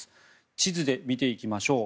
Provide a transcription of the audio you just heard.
地図で見ていきましょう。